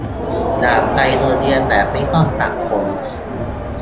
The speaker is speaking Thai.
อยากไปโรงเรียนแบบไม่ต้องตัดผม